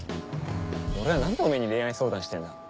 俺は何でおめぇに恋愛相談してんだ？